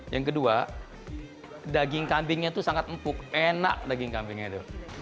yang kedua daging kambingnya itu sangat empuk enak daging kambingnya itu